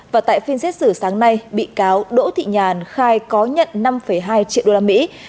và tại phiên xét xử sáng nay bị cáo đỗ thị nhàn khai có nhận năm hai triệu đô la mỹ